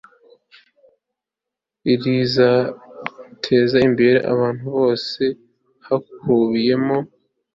rizateza imbere abantu bose hakubiyemo